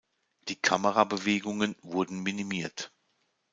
Die Kamerabewegungen wurden minimiert.